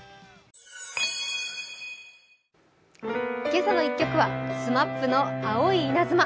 今朝の一曲はＳＭＡＰの「青いイナズマ」。